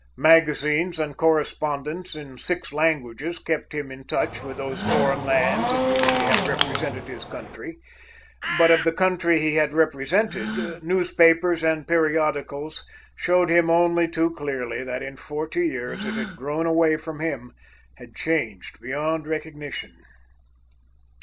Magazines and correspondents in six languages kept him in touch with those foreign lands in which he had represented his country, but of the country he had represented, newspapers and periodicals showed him only too clearly that in forty years it had grown away from him, had changed beyond recognition.